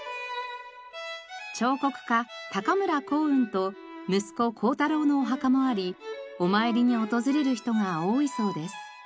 彫刻家村光雲と息子光太郎のお墓もありお参りに訪れる人が多いそうです。